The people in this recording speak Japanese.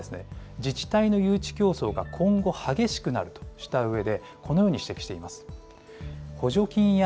専門家は、自治体の誘致競争が今後、激しくなるとしたうえで、このように指摘しています。